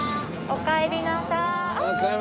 おかえりなさい。